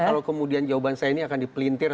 kalau kemudian jawaban saya ini akan dipelintir